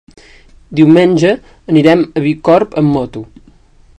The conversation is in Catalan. Diumenge anirem a Bicorb amb moto.